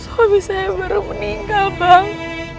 hobi saya baru meninggal bang